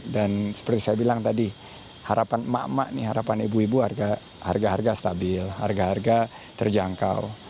dan seperti saya bilang tadi harapan emak emak ini harapan ibu ibu harga harga stabil harga harga terjangkau